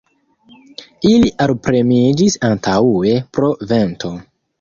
Ili alpremiĝis antaŭe, pro vento.